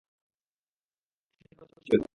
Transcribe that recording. শুনে প্রচণ্ড হাসি পেল।